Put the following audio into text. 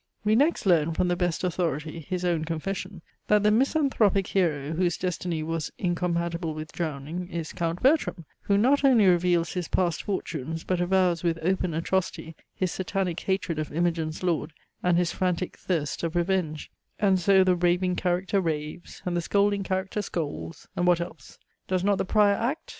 We next learn from the best authority, his own confession, that the misanthropic hero, whose destiny was incompatible with drowning, is Count Bertram, who not only reveals his past fortunes, but avows with open atrocity, his Satanic hatred of Imogine's lord, and his frantick thirst of revenge; and so the raving character raves, and the scolding character scolds and what else? Does not the Prior act?